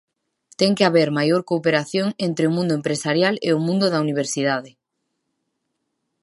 Ten que haber maior cooperación entre o mundo empresarial e o mundo da universidade.